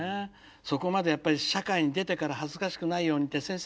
そこまでやっぱり社会に出てから恥ずかしくないようにって先生